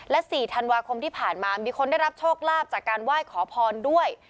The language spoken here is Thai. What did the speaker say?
และ๔ธันวาคมที่ผ่านมามีคนได้รับโชคลาภจากการไหว้ขอพรด้วย